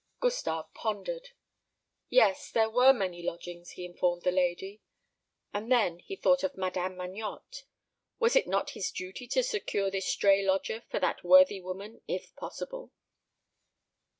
Gustave pondered. Yes, there were many lodgings, he informed the lady. And then he thought of Madame Magnotte. Was it not his duty to secure this stray lodger for that worthy woman, if possible?